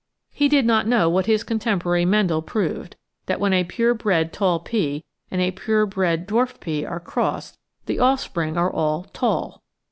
He did not know what his contemporary Mendel proved, that when a pure bred tall pea and a pure bred dwarf pea are crossed the offspring are all tall.